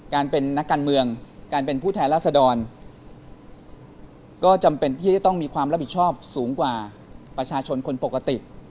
การเป็นนักการเมืองการเป็นผู้แทนราษดรก็จำเป็นที่จะต้องมีความรับผิดชอบสูงกว่าประชาชนคนปกติ